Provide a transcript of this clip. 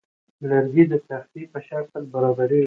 لرګی د تختې په شکل برابریږي.